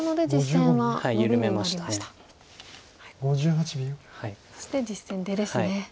そして実戦出ですね。